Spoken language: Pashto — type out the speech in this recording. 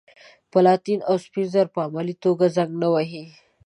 پلاتین او سپین زر په عملي توګه زنګ نه وهي.